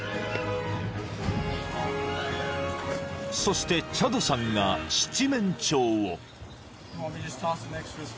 ［そしてチャドさんが七面鳥を］